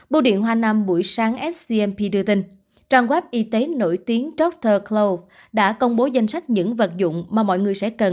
bộ điện hoa nam buổi sáng scmp đưa tin trang web y tế nổi tiếng dr clove đã công bố danh sách những vật dụng mà mọi người sẽ cần